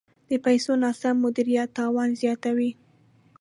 د پیسو ناسم مدیریت تاوان زیاتوي.